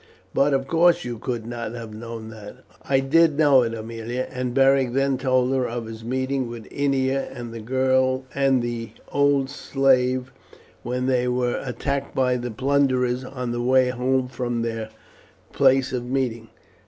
But, of course, you could not have known that." "I did know it, Aemilia;" and Beric then told her of his meeting with Ennia and the old slave when they were attacked by the plunderers on the way home from their place of meeting.